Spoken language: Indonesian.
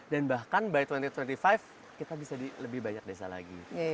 dan bahkan by dua ribu dua puluh lima kita bisa di lebih banyak desa lagi